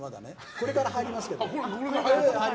これから入ります。